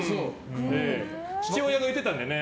父親が言ってたんでね。